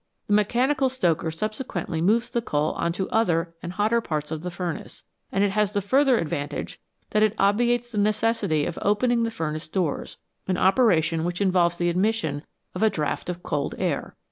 The mechanical stoker subsequently moves the coal on to other and hotter parts of the furnace, and it has the further advan tage that it obviates the necessity of opening the furnace doors a n operation which involves the admission of a draught of cold air.